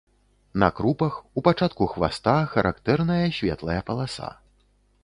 На крупах, у пачатку хваста, характэрная светлая паласа.